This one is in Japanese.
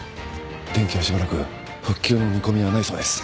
電気はしばらく復旧の見込みがないそうです。